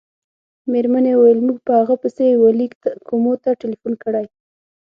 مېرمنې وویل: موږ په هغه پسې وه لېک کومو ته ټېلیفون کړی.